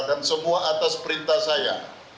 dan semua atas perintah saya